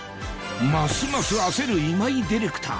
ますます焦る今井ディレクター